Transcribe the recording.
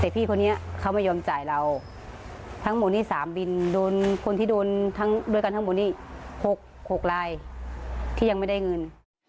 แต่พี่คนนี้เขาไม่ยอมจ่ายเราทั้งหมดนี้๓บินโดนคนที่โดนทั้งด้วยกันทั้งหมดนี้๖ลายที่ยังไม่ได้เงิน